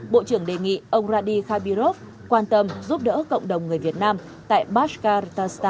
bộ trưởng đề nghị ông radi khabirov quan tâm giúp đỡ cộng đồng người việt nam tại bascarotasta